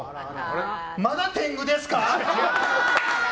まだ天狗ですか！